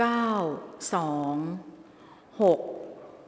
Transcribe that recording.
หมายเลข๘